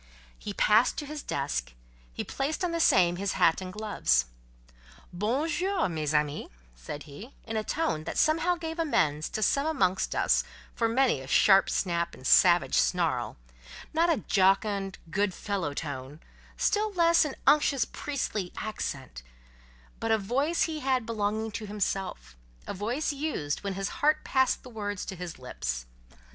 He passed to his desk; he placed on the same his hat and gloves. "Bon jour, mes amies," said he, in a tone that somehow made amends to some amongst us for many a sharp snap and savage snarl: not a jocund, good fellow tone, still less an unctuous priestly, accent, but a voice he had belonging to himself—a voice used when his heart passed the words to his lips.